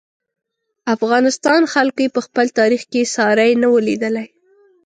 افغانستان خلکو یې په خپل تاریخ کې ساری نه و لیدلی.